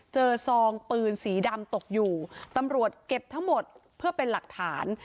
ซองปืนสีดำตกอยู่ตำรวจเก็บทั้งหมดเพื่อเป็นหลักฐาน